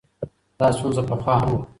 دا ستونزه پخوا هم وه.